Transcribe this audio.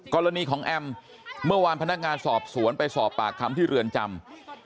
กรณีของแอมเมื่อวานพนักงานสอบสวนไปสอบปากคำที่เรือนจำ